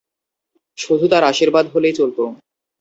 শুধু তার আশীর্বাদ হলেই চলত।